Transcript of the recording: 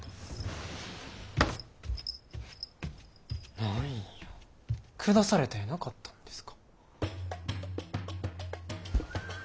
何や下されたんやなかったんですか？